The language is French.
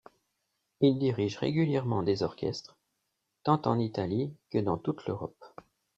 Il dirige régulièrement des orchestres, tant en Italie que dans toute l'Europe.